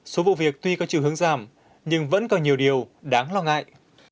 số vụ việc tuy có chiều hướng giảm nhưng vẫn còn nhiều điều đáng lo ngại